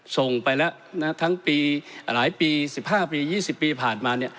ส่งไปแล้วทั้งปีหลายปี๑๕ปี๒๐ปีผ่านมา